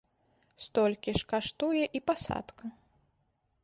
Столькі ж каштуе і пасадка.